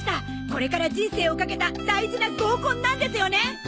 これから人生をかけた大事な合コンなんですよね！